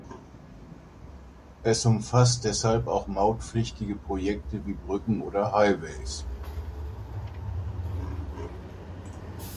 Es umfasst deshalb auch mautpflichtige Projekte wie Brücken oder Highways.